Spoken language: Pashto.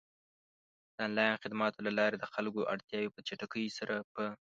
د آنلاین خدماتو له لارې د خلکو اړتیاوې په چټکۍ سره پ